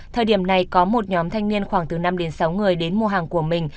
thời điểm này có một nhóm thanh niên khoảng từ năm đến sáu người đến mua hàng của mình